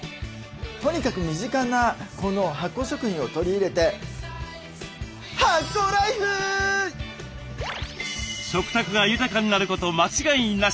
とにかく身近なこの発酵食品を取り入れて食卓が豊かになること間違いなし。